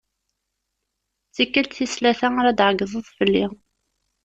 D tikelt tis tlata ara d-tɛeggdeḍ fell-i.